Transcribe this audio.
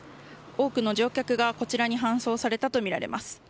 多くの乗客がこちらに搬送されたとみられます。